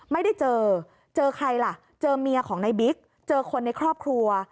ไม่ได้เจอเจอใครล่ะเจอเมียของในบิ๊กเจอคนในครอบครัว